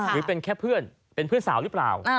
หรือเป็นแค่เพื่อนเป็นเพื่อนสาวหรือเปล่า